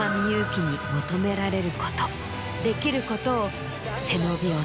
できることを。